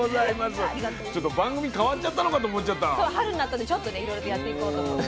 春になったのでちょっといろいろとやっていこうと思って。